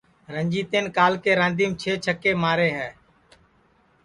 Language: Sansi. رنجیتین کال کے راندیم چھے چھکے مارے ہے